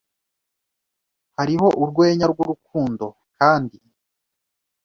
Hariho Urwenya rwurukundo Kandi